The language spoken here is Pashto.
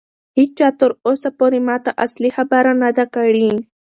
هیچا تر اوسه پورې ماته اصلي خبره نه ده کړې.